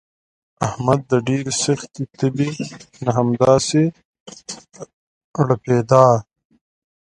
احمد د ډېرې سختې تبې نه همداسې ړپېدا.